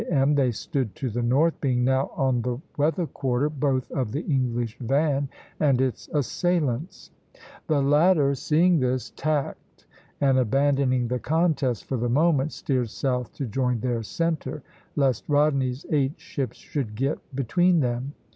M., they stood to the north, being now on the weather quarter both of the English van and its assailants (Position II., a). The latter, seeing this, tacked, and abandoning the contest for the moment, steered south to join their centre, lest Rodney's eight ships should get between them.